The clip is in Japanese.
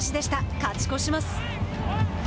勝ち越します。